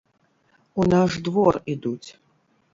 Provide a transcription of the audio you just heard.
У наш двор ідуць.